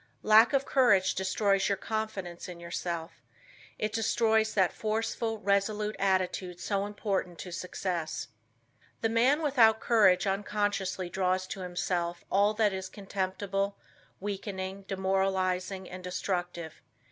Lack of courage destroys your confidence in yourself. It destroys that forceful, resolute attitude so important to success. The man without courage unconsciously draws to himself all that is contemptible, weakening, demoralizing and destructive.